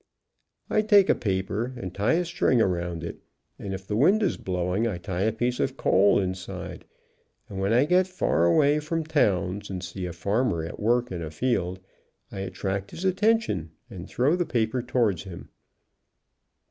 I take a paper and tie a string around it, and if the wind is blowing I tie a piece of coal in side, and when I get far away from towns and see a farmer at work in a field, I attract his attention, and throw the paper towards him.